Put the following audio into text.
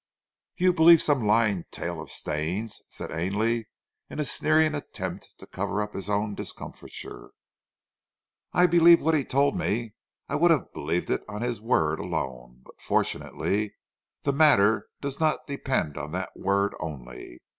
"You believe some lying tale of Stane's?" said Ainley, in a sneering attempt to cover up his own discomfiture. "I believe what he told me; I would have believed it on his word alone, but fortunately the matter does not depend on that word only.